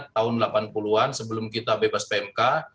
tahun delapan puluh an sebelum kita bebas pmk